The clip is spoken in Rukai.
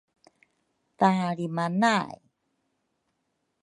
talrima nay